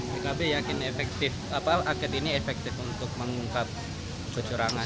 pkb yakin efektif angket ini efektif untuk mengungkap kecurangan